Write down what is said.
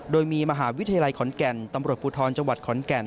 โดยมีมหาวิทยาลัยขอนแก่นตำรวจภูทรจังหวัดขอนแก่น